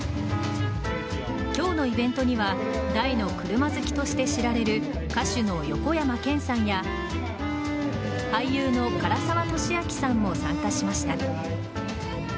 今日のイベントには大の車好きとして知られる歌手の横山剣さんや俳優の唐沢寿明さんも参加しました。